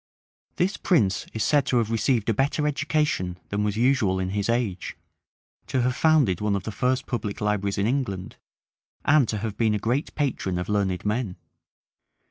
This prince is said to have received a better education than was usual in his age, to have founded one of the first public libraries in England, and to have been a great patron of learned men.